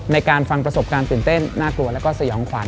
ในการฟังประสบการณ์ตื่นเต้นน่ากลัวแล้วก็สยองขวัญ